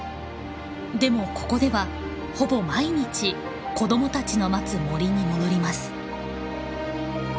でもここではほぼ毎日子どもたちの待つ森に戻ります。